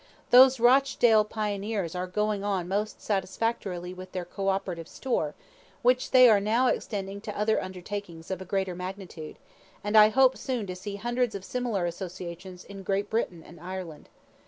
Those Rochdale pioneers are going on most satisfactorily with their co operative store, which they are now extending to other undertakings of a greater magnitude, and I hope soon to see hundreds of similar associations in Great Britain and Ireland.